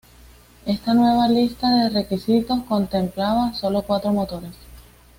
Esta nueva lista de requisitos contemplaba solo cuatro motores.